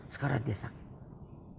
sekarang dia sakit